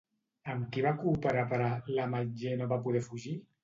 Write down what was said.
Amb qui va cooperar per a "L'ametller no va poder fugir"?